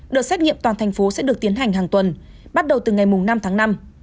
đợt xét nghiệm toàn thành phố sẽ được tiến hành hàng tuần bắt đầu từ ngày năm tháng năm